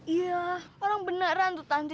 iya orang beneran tuh tante cipluk